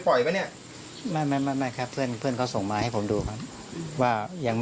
ก็ขอบคุณคุกค้างให้เข้ารบคลิปลองดูตอนที่ครูเจอคุณกัลหน่อยนะคะ